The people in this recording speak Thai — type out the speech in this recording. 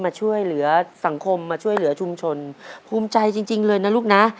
มาช่วยเหลือสังคมมาช่วยเหลือชุมชนภูมิใจจริงจริงเลยนะลูกนะ